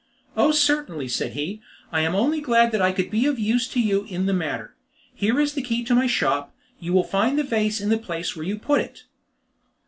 "Oh certainly," said he, "I am only glad I could be of use to you in the matter. Here is the key of my shop; you will find the vase in the place where you put it."